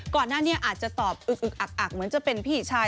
ก่อนหน้านี้อาจจะตอบอึกอักเหมือนจะเป็นพี่ชาย